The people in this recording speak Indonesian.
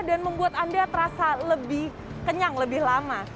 dan membuat anda terasa lebih kenyang lebih lama